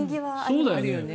そうだよね。